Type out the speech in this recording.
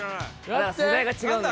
世代が違うんだ。